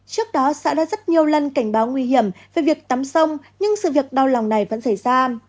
trước đó xã đã rất nhiều lần cảnh báo nguy hiểm về việc tắm sông nhưng sự việc đau lòng này vẫn xảy ra